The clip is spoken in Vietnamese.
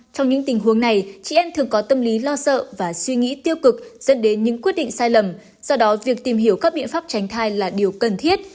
trong những tình huống này chị em thường có tâm lý lo sợ và suy nghĩ tiêu cực dẫn đến những quyết định sai lầm do đó việc tìm hiểu các biện pháp tránh thai là điều cần thiết